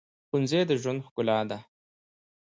ښوونځی د ژوند ښکلا ده